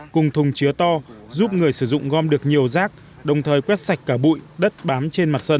cùng thùng chứa to giúp người sử dụng gom được nhiều rác đồng thời quét sạch cả bụi đất bám trên mặt sân